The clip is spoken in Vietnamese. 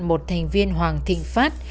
một thành viên hoàng thịnh phát